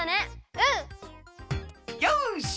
うん！よし！